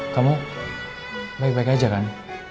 kamu baik baik aja kan